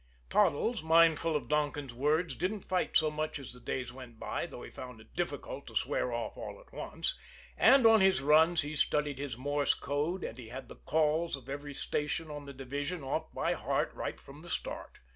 Toddles, mindful of Donkin's words, didn't fight so much as the days went by, though he found it difficult to swear off all at once; and on his runs he studied his Morse code, and he had the "calls" of every station on the division off by heart right from the start.